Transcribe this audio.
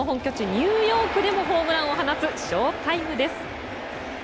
ニューヨークでもホームランを放つショウタイムです。